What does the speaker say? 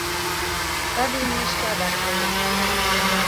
Саде имнешке адак койо.